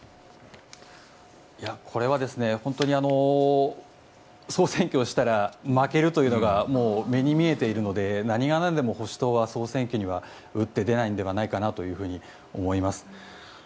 いや、これは本当に総選挙をしたら負けるというのがもう目に見えているので何がなんでも保守党は総選挙には打って出ないのではないかなと思います。